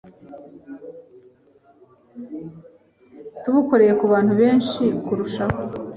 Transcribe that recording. tubukoreye ku bantu benshi kurushaho